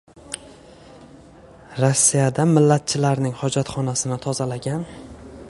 Rossiyada millatchilarning hojatxonasini tozalagan